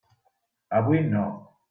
Avui no.